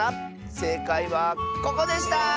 せいかいはここでした！